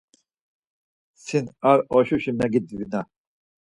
Sin ar oşuşi megindvina.